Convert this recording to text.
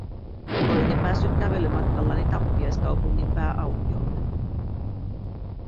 Olin jo päässyt kävelymatkallani tappiaiskaupungin pääaukiolle.